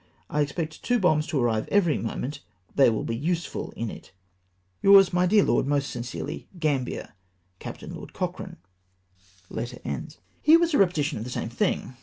I expect two bombs to arrive every moment, they will be useful in it. '' Yours, my dear Lord, most sincerely, "Gambiee. " Capt. Lord Cochrane." Here was a repetition of the same thing.